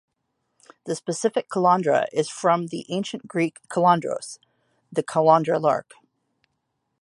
The specific "calandra" is from Ancient Greek "kalandros", the calandra lark.